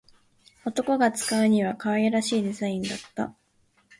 男が使うには可愛らしいデザインだった